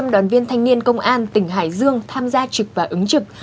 một trăm linh đoàn viên thanh niên công an tỉnh hải dương tham gia trực và ứng trực